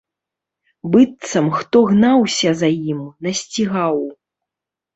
Быццам хто гнаўся за ім, насцігаў.